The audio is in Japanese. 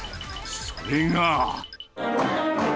それが。